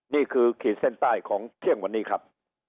ขีดเส้นใต้ของเที่ยงวันนี้ครับ